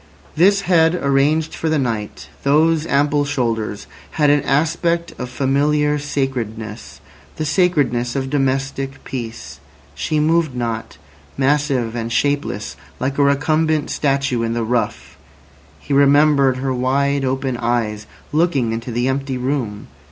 This head arranged for the night, those ample shoulders, had an aspect of familiar sacredness—the sacredness of domestic peace. She moved not, massive and shapeless like a recumbent statue in the rough; he remembered her wide open eyes looking into the empty room.